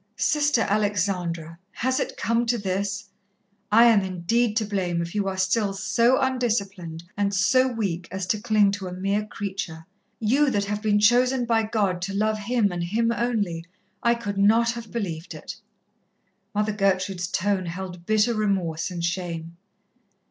"Sister Alexandra! Has it come to this? I am indeed to blame if you are still so undisciplined and so weak as to cling to a mere creature you that have been chosen by God to love Him, and Him only! I could not have believed it." Mother Gertrude's tone held bitter remorse and shame.